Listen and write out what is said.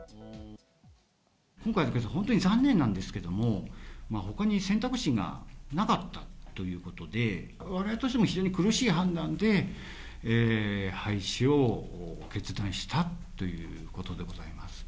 今回のケースは本当に残念なんですけれども、ほかに選択肢がなかったということで、われわれとしても非常に苦しい判断で、廃止を決断したということでございます。